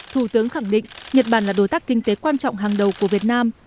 thủ tướng khẳng định nhật bản là đối tác kinh tế quan trọng hàng đầu của việt nam